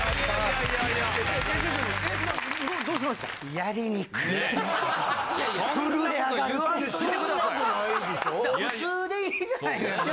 いや普通でいいじゃないですか。